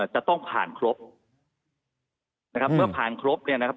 จะต้องผ่านครบนะครับเมื่อผ่านครบเนี่ยนะครับ